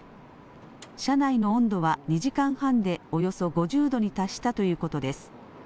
車内の温度は２時間半でおよそ５０度に達したということです。